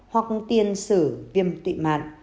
hoặc tiên xử viêm tụy mạt